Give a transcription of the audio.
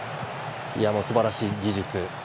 すばらしい技術。